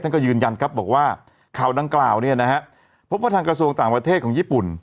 ก็ยืนยันครับบอกว่าข่าวดังกล่าวเนี่ยนะฮะพบว่าทางกระทรวงต่างประเทศของญี่ปุ่น